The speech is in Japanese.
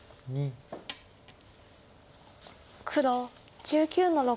黒１９の六。